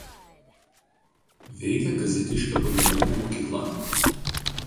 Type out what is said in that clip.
Veikė Kazitiškio pagrindinė mokykla.